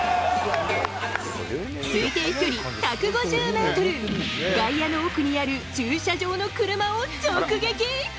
推定飛距離１５０メートル、外野の奥にある駐車場の車を直撃。